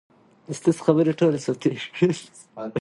د ناول مرکزي لوبغاړي نايله، ډېوه، جمال خان،